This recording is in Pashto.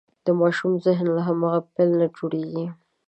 د ماشوم ذهن له هماغې پیل نه جوړېږي.